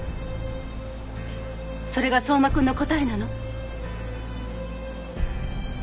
それが相馬君の答えなの？